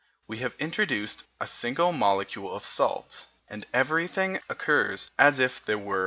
We have introduced a single molecule of salt, and everything occurs as if there were 1.